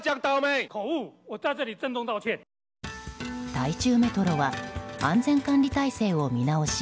台中メトロは安全管理体制を見直し